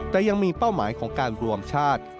แต่ยังมีเป้าหมายของการรวมชาติ